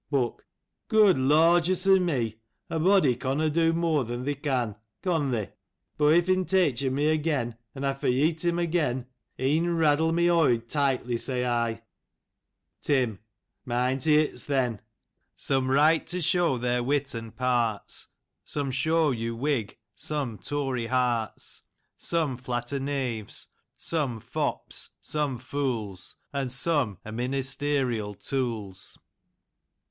Boole : Good lorjus o' me ; a body conna do moor thin they con, con they? Boh iv in teytch mo again, an aw foryeat um again, e'en raddle meh hoyd tightly, say aw. " Tim : Mind te hits, then ! "Some write to show their wit and parts, Some show you whig, some tory hearts, Some flatter knans, some fops, some fools, And some are ministerial tools.